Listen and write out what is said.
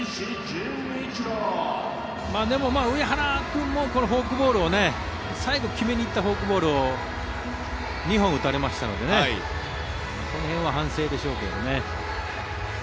でも、上原君もこのフォークボールを最後、決めにいったフォークボールを２本打たれましたのでこの辺は反省でしょうけどね。